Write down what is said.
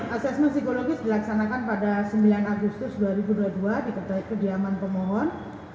asesmen psikologis dilaksanakan pada sembilan agustus dua ribu dua puluh dua di terkait kediaman pemohon